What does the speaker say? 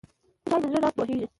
چای د زړه راز پوهیږي.